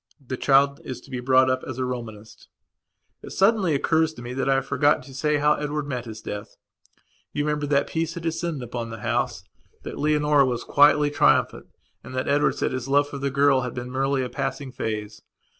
The child is to be brought up as a Romanist. It suddenly occurs to me that I have forgotten to say how Edward met his death. You remember that peace had descended upon the house; that Leonora was quietly triumphant and that Edward said his love for the girl had been merely a passing phase.